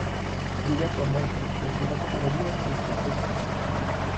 Liga Promotion, tercera categoría del fútbol suizo.